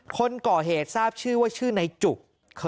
คนก่อเหตุทราบชื่อว่าชื่อนายจุก